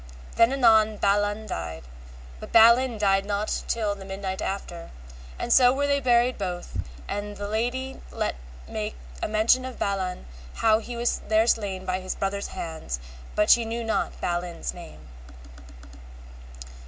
Then anon Balan died, but Balin died not till the midnight after, and so were they buried both, and the lady let make a mention of Balan how he was there slain by his brother's hands, but she knew not Balin's name.